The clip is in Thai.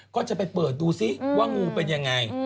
ก็จะไปเปิดดูซิว่างูเป็นยังไง